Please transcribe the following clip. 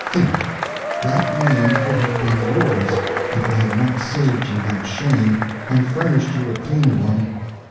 Think! That name could have been yours if I had not saved you that shame and furnished you a cleaner one.